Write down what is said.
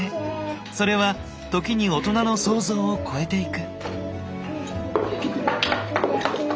それは時に大人の想像を超えていく。